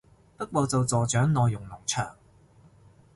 不過就助長內容農場